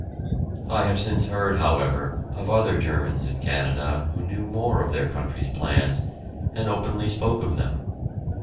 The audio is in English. I have since heard, however, of other Germans in Canada who knew more of their country's plans, and openly spoke of them.